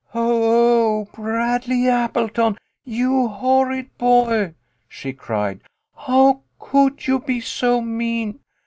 " Oo ooh ! Bradley Appleton ! You horrid boy !'* she cried. " How could you be so mean